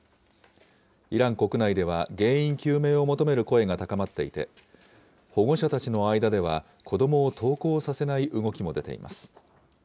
イラン国内では原因究明を求める声が高まっていて、保護者達の間では、子どもを登校させない動きも出ています。